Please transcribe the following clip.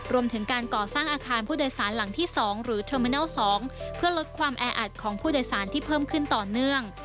รวมถึงการก่อสร้างอาคารผู้โดยสารหลังที่๒หรือเทอร์มินัล๒เพื่อลดความแออัดของผู้โดยสารที่เพิ่มขึ้นต่อเนื่อง